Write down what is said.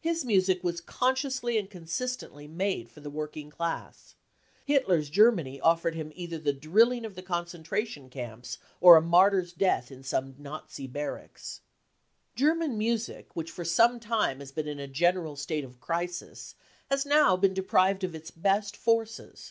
His music was consciously and consistently made for the working class ; 9 1 82 BROWN BOOK OF THE HITLER TERROR Hitler's Germany offered him either the drilling of the concentration camps or a martyr's death in some Nazi barracks. German music, which for some time has been in a general state of crisis, has now been deprived of its best forces.